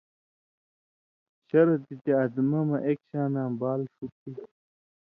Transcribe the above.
شرط یی تے ادمہ مہ ایک شاناں بال ݜُو تھی